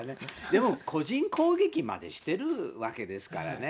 でも、個人攻撃までしてるわけですからね。